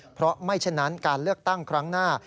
เพราะไม่ฉะนั้นการเลือกตั้งครั้งหน้า